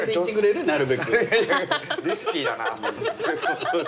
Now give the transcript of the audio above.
リスキーだな。